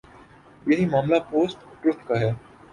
یہی معاملہ post truth کا ہے۔